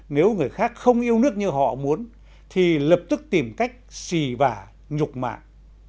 nếu người khác không yêu nước như họ muốn thì lập tức tìm cách xì vả nhục mạng